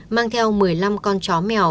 mang theo một mươi năm con chó mèo